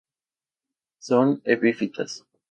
Son epífitas.